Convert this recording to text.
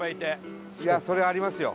それはありますよ